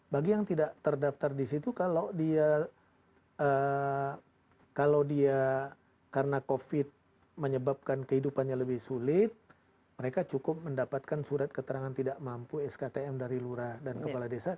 bagi yang tidak terdaftar di situ kalau dia kalau dia karena covid menyebabkan kehidupannya lebih sulit mereka cukup mendapatkan surat keterangan tidak mampu sktm dari lurah dan kepala desa